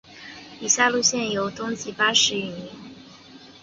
以下路线由东急巴士营运。